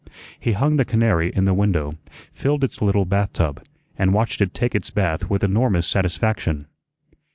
He hung the canary in the window, filled its little bathtub, and watched it take its bath with enormous satisfaction.